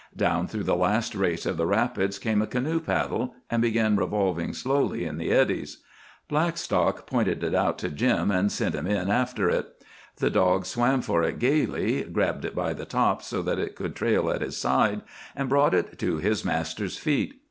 Down through the last race of the rapids came a canoe paddle, and began revolving slowly in the eddies. Blackstock pointed it out to Jim, and sent him in after it. The dog swam for it gaily, grabbed it by the top so that it could trail at his side, and brought it to his master's feet.